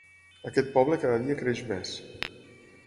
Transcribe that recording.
Aquest poble cada dia creix més.